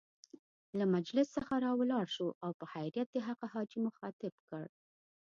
له مجلس څخه را ولاړ شو او په حيرت يې هغه حاجي مخاطب کړ.